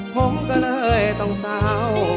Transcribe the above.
ผมก็เลยต้องเศร้า